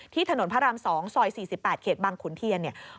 ที่ถนนพระราม๒ซอย๔๘เขตบังขุนเทียน